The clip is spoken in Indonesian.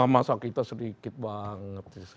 masa kita sedikit banget